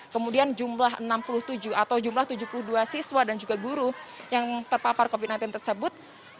kemudian jumlah enam puluh tujuh atau jumlah tujuh puluh dua siswa dan juga guru yang terpapar covid sembilan belas tersebut